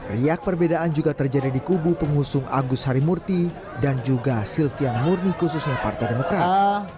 riak perbedaan juga terjadi di kubu pengusung agus harimurti dan juga silvian murni khususnya partai demokrat